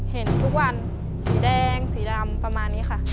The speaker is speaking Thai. เห็นทุกวันสีแดงสีดำประมาณนี้ค่ะ